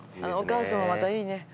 お母さんもまたいいね。